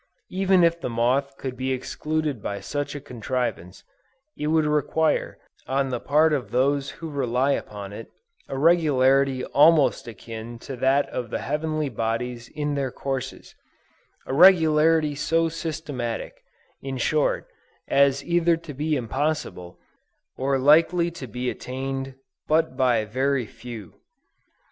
Even if the moth could be excluded by such a contrivance, it would require, on the part of those who rely upon it, a regularity almost akin to that of the heavenly bodies in their courses; a regularity so systematic, in short, as either to be impossible, or likely to be attained but by very few.